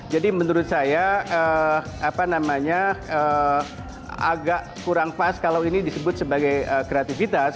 jadi menurut saya agak kurang pas kalau ini disebut sebagai kreativitas